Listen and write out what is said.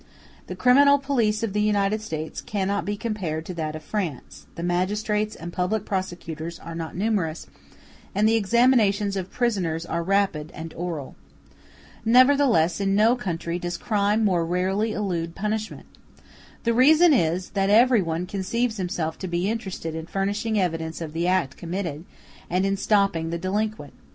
The criminal police of the United States cannot be compared to that of France; the magistrates and public prosecutors are not numerous, and the examinations of prisoners are rapid and oral. Nevertheless in no country does crime more rarely elude punishment. The reason is, that every one conceives himself to be interested in furnishing evidence of the act committed, and in stopping the delinquent.